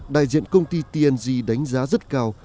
đại diện công ty tng đánh giá rất cao